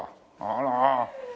あら。